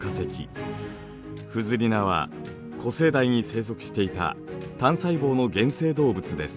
フズリナは古生代に生息していた単細胞の原生動物です。